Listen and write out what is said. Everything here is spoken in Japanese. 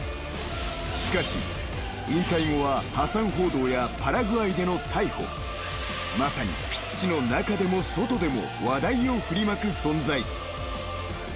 ［しかし引退後は破産報道やパラグアイでの逮捕まさにピッチの中でも外でも］